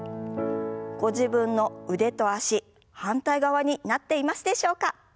ご自分の腕と脚反対側になっていますでしょうか？